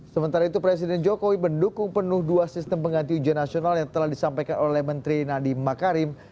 sementara itu presiden jokowi mendukung penuh dua sistem pengganti ujian nasional yang telah disampaikan oleh menteri nadiem makarim